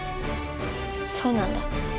そうなんだ。